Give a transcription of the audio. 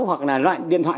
hoặc là loại điện thoại